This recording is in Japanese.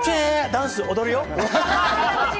ダンス踊るよ！